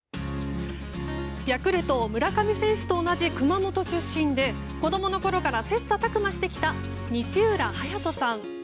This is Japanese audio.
ヤクルト村上選手と同じ熊本出身で子供のころから切磋琢磨してきた西浦颯大さん。